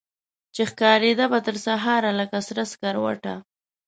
چي ښکاریده به ترسهاره لکه سره سکروټه